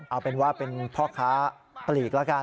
เอาเป็นว่าเป็นพ่อค้าปลีกแล้วกัน